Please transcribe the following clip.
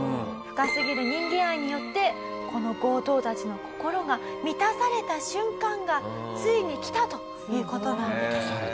深すぎる人間愛によってこの強盗たちの心が満たされた瞬間がついに来たという事なんです。